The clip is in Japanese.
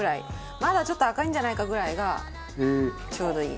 まだちょっと赤いんじゃないか？ぐらいがちょうどいい。